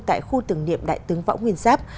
tại khu tưởng niệm đại tướng võ nguyên giáp